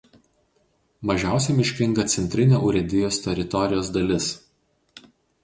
Mažiausiai miškinga centrinė urėdijos teritorijos dalis.